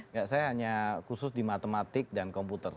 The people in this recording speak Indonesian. enggak saya hanya khusus di matematik dan komputer